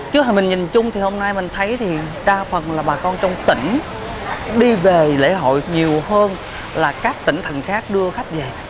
chứ thì mình nhìn chung thì hôm nay mình thấy thì đa phần là bà con trong tỉnh đi về lễ hội nhiều hơn là các tỉnh thành khác đưa khách về